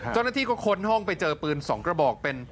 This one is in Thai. เจ้าหน้าที่ก็ค้นห้องไปเจอปืน๒กระบอกเป็น